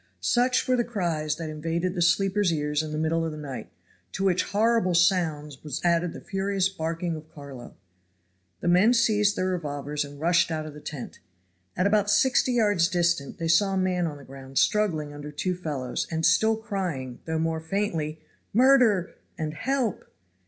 Such were the cries that invaded the sleepers' ears in the middle of the night, to which horrible sounds was added the furious barking of Carlo. The men seized their revolvers and rushed out of the tent. At about sixty yards distant they saw a man on the ground struggling under two fellows, and still crying, though more faintly, "murder" and "help."